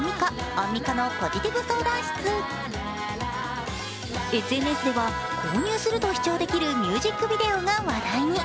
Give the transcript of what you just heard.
アンミカのポジティブ相談室」ＳＮＳでは、購入すると視聴できるミュージックビデオが話題に。